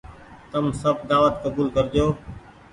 تم سب دآوت ڪبول ڪرجو۔